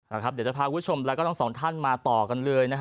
เดี๋ยวจะพาคุณผู้ชมแล้วก็ทั้งสองท่านมาต่อกันเลยนะฮะ